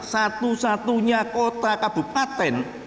satu satunya kota kabupaten